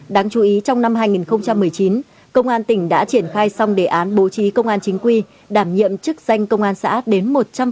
đáng chú ý trong năm hai nghìn một mươi chín công an tỉnh đã triển khai xong đề án bố trí công an chính quy đảm nhiệm chức danh công an xã đến một trăm linh